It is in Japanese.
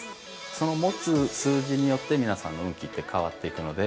その持つ数字によって皆さんの運気って変わっていくので。